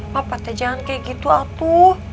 papa teh jangan kayak gitu atuh